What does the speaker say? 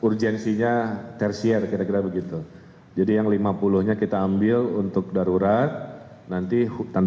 urgensinya tersier kira kira begitu jadi yang lima puluh nya kita ambil untuk darurat nanti tanda